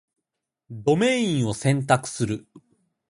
ドメインを選択する